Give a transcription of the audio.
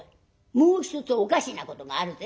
もう一つおかしなことがあるぜ」。